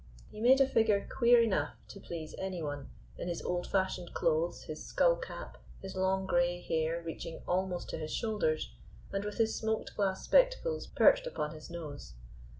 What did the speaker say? He made a figure queer enough to please any one, in his old fashioned clothes, his skull cap, his long grey hair reaching almost to his shoulders, and with his smoked glass spectacles perched upon his nose.